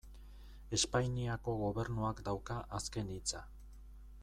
Espainiako Gobernuak dauka azken hitza.